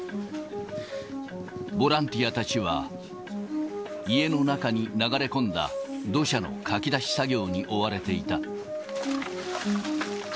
ボランティアたちは、家の中に流れ込んだ土砂のかき出し作業に追われていた。